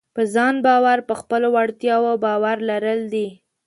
په ځان باور په خپلو وړتیاوو باور لرل دي.